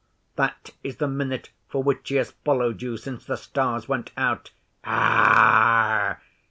That is the minute for which he has followed you since the stars went out. "Aarh!"